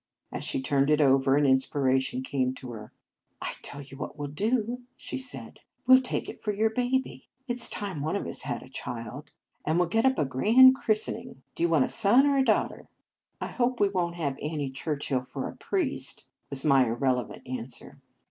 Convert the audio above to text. As she turned it over, an inspiration came to her. " I tell you what we 11 do," she said; "we 11 take it for your baby, it s time one of us had a child, and we 11 get up a grand christening. Do you want a son or a daughter?" "I hope we won t have Annie 172 Marriage Vows Churchill for a priest," was my irrel evant answer.